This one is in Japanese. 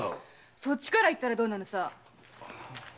そっちから言ったらどうなのさ。